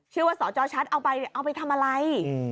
ชื่อว่าสจชัตริย์เอาไปทำอะไร